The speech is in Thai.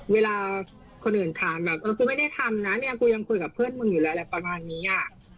เวลาคนอื่นถามแบบเออกูไม่ได้ทำนะเนี่ยกูยังคุยกับเพื่อนมึงอยู่แล้วอะไรประมาณนี้อ่ะ